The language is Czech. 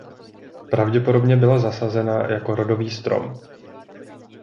Pravděpodobně byla zasazena jako rodový strom.